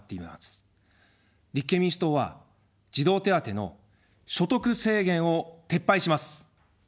立憲民主党は児童手当の所得制限を撤廃します。